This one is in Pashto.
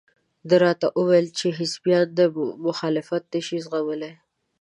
ده راته وویل چې حزبیان مخالفت نشي زغملى.